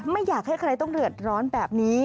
ไม่อยากให้ใครต้องเดือดร้อนแบบนี้